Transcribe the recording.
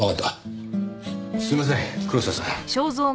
すみません黒瀬さん。